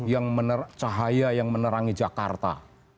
yang cahaya yang menerangi jakarta